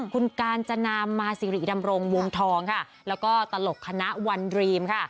คุณกาญจนามาสิริดำรงวงทองค่ะแล้วก็ตลกคณะวันดรีมค่ะ